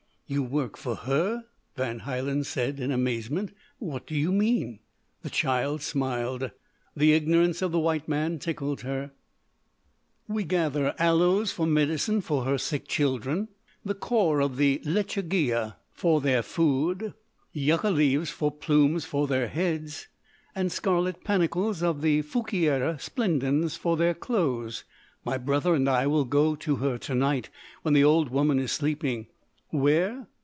"You work for her!" Van Hielen said in amazement. "What do you mean?" The child smiled the ignorance of the white man tickled her. "We gather aloes for medicine for her sick children; the core of the lechugilla for their food, yucca leaves for plumes for their heads, and scarlet panicles of the Fouquiera splendens for their clothes. My brother and I will go to her to night when the old woman is sleeping. Where?